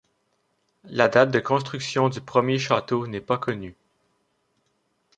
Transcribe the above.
La date de construction du premier château n'est pas connu.